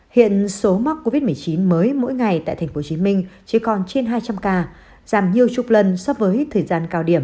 hiện số mắc covid một mươi chín mới mỗi ngày tại tp hcm chỉ còn trên hai trăm linh ca giảm nhiều chục lần so với thời gian cao điểm